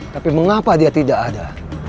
tapi mengapa dia tidak ada